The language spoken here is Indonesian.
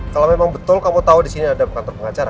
kalo memang betul kamu tau disini ada kantor pengacara